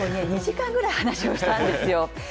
２時間ぐらい話をしたんですよ。